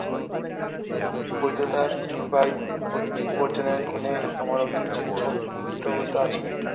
বিধাতার কৃপায় পৈতৃক উপার্জনের গুণে আমারও কিঞ্চিৎ সার্থকতা আছে।